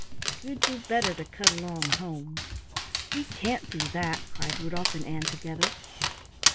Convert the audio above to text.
You'd do better to cut along home." "We can't do that," cried Rudolf and Ann together.